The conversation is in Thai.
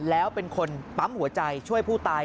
แล้วเป็นคนปั๊มหัวใจช่วยผู้ตาย